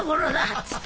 っつって。